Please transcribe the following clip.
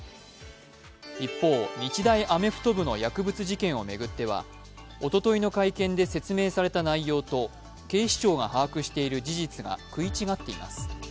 一方、日大アメフト部の薬物事件を巡っては、おとといの会見で説明された内容と警視庁が把握している事実が食い違っています。